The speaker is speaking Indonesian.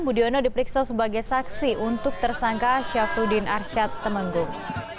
budiono diperiksa sebagai saksi untuk tersangka syafruddin arsyad temenggung